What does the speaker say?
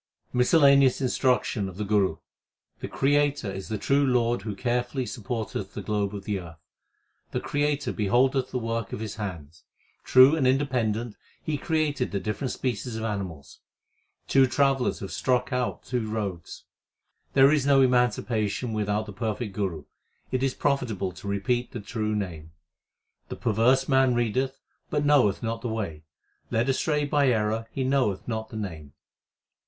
Miscellaneous instruction of the Guru : The Creator is the true Lord Who carefully support eth the globe of the earth. The Creator beholdeth the work of His hands ; true and independent, He created the different species of animals. HYMNS OF GURU NANAK 365 Two travellers l have struck out two roads. There is no emancipation without the perfect Guru ; it is profitable to repeat the true Name. The perverse man readeth, but knoweth not the way : Led astray by error he knoweth not the Name.